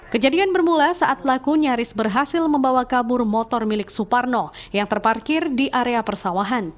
kejadian bermula saat pelaku nyaris berhasil membawa kabur motor milik suparno yang terparkir di area persawahan